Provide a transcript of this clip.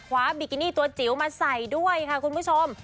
บิกินี่ตัวจิ๋วมาใส่ด้วยค่ะคุณผู้ชม